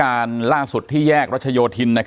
อย่างที่บอกไปว่าเรายังยึดในเรื่องของข้อ